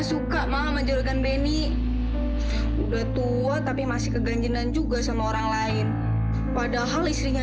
suka malah menjuritkan benny udah tua tapi masih keganjinan juga sama orang lain padahal istrinya